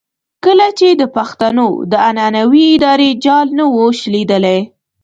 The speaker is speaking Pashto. کله چې د پښتنو د عنعنوي ادارې جال نه وو شلېدلی.